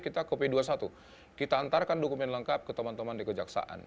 kita ke p dua puluh satu kita antarkan dokumen lengkap ke teman teman di kejaksaan